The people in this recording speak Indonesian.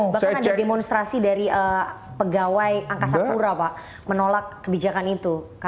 bahkan ada demonstrasi dari pegawai angkasa pura menolak kebijakan itu